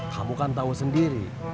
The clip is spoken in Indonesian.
kamu kan tau sendiri